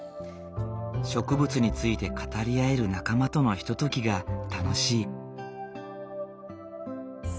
植物について語り合える仲間とのひとときが楽しい。